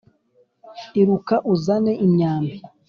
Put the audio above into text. iruka uzane imyambi